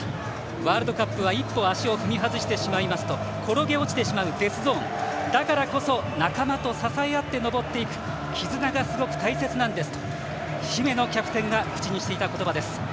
ワールドカップは一歩足を踏み外してしまうと転げ落ちてしまうデスゾーンだからこそ仲間と支え合って上っていく絆がすごく大切なんですと姫野キャプテンが口にしていた言葉です。